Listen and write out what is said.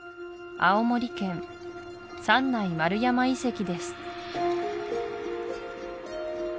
青森県三内丸山遺跡です